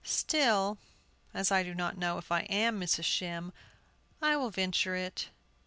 Still, as I do not know if I am Mrs. Shem, I will venture it."